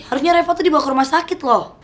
harusnya repot tuh dibawa ke rumah sakit loh